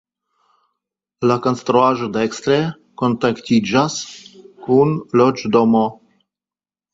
La konstruaĵo dekstre kontaktiĝas kun loĝdomo.